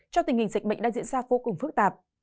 trong tình hình dịch bệnh đang diễn ra vô cùng phức tạp